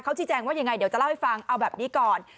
ชี้แจงว่ายังไงเดี๋ยวจะเล่าให้ฟังเอาแบบนี้ก่อน